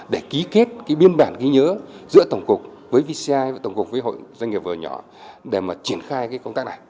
để ký kết cái biên bản ghi nhớ giữa tổng cục với vci và tổng cục với hội doanh nghiệp vừa và nhỏ để mà triển khai cái công tác này